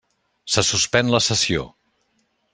Se suspèn la sessió.